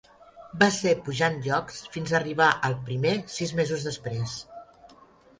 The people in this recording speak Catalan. Va ser pujant llocs fins a arribar al primer sis mesos després.